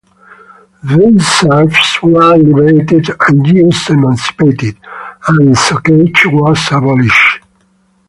Thus serfs were liberated and Jews emancipated, and soccage was abolished.